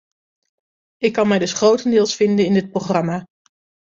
Ik kan mij dus grotendeels vinden in dit programma.